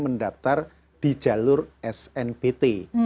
mendaftar di jalur snbt